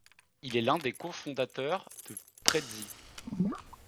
Il est l'un des co-fondateurs de Prezi.